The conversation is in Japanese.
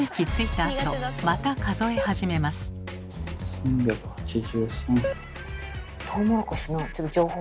３８３。